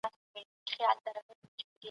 که تاسي نوښت ونه کړئ، پرمختګ نه کوئ.